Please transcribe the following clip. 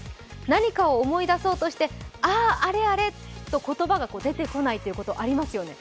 何かを思い出そうとして、あ、あれあれと言葉が出てこないということありますよね？